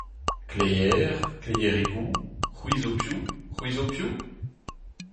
Kleier, kleierigoù, c'hwi zo piv, c'hwi zo piv ?